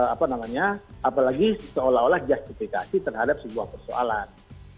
apa namanya apalagi seolah olah justifikasi terhadap sebuah persoalan